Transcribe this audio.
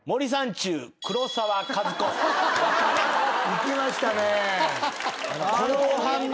いきましたね。